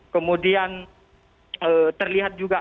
kemudian terlihat juga